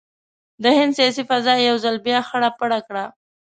د هند سیاسي فضا یو ځل بیا خړه پړه کړه.